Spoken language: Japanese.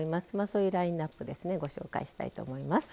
そういうラインナップですねご紹介したいと思います。